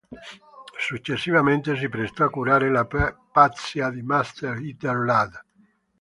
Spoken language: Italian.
Successivamente si prestò a curare la pazzia di Matter Eater Lad.